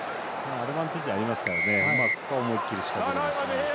アドバンテージありますからここは思いっきり仕掛けられますね。